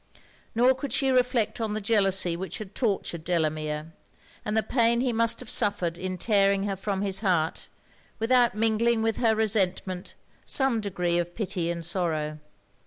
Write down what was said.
Nor could she reflect on the jealousy which had tortured Delamere, and the pain he must have suffered in tearing her from his heart, without mingling with her resentment some degree of pity and sorrow.